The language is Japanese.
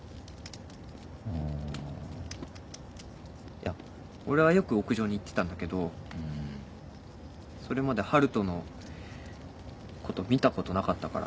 いや俺はよく屋上に行ってたんだけどそれまで春斗のこと見たことなかったから。